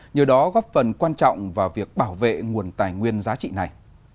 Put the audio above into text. nhờ đó góp phần quan trọng vào việc bảo vệ nguồn tài nguyên giá trị này